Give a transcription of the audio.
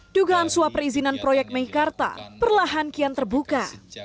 dugaan suap perizinan proyek meikarta perlahan kian terbuka